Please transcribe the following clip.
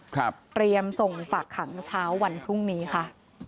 เตรียมส่งฝากขังเช้าวันพรุ่งนี้ค่ะ